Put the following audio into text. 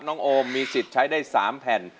โอมมีสิทธิ์ใช้ได้๓แผ่น